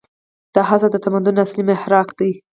دا هڅه د تمدن اصلي محرک دی.